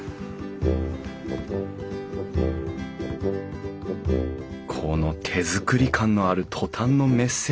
この手作り感のあるトタンのメッセージボード。